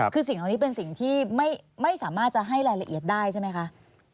คือสิ่งเหล่านี้เป็นสิ่งที่ไม่สามารถจะให้รายละเอียดได้ใช่ไหมคะ